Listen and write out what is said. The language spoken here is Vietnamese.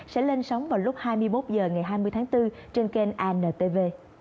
sẽ lên sóng vào lúc hai mươi một h ngày hai mươi tháng bốn trên kênh antv